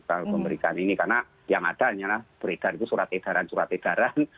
kalau pemberikan ini karena yang ada hanyalah beredar itu surat edaran surat edaran